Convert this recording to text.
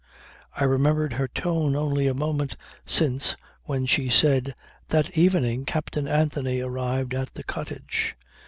I remembered her tone only a moment since when she said: "That evening Captain Anthony arrived at the cottage."